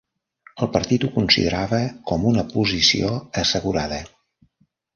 El partit ho considerava com una posició assegurada.